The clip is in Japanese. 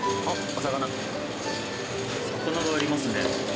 魚がありますね。